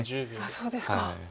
そうですか。